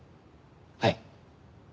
はい。